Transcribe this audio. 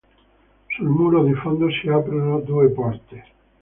Sul muro di fondo si aprono due porte.